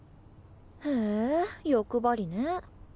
へぇ欲張りね。